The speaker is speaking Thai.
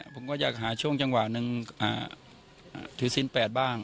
ผมก็อยากหาช่วงจังหวะหนึ่งถือสินแปดบ้าง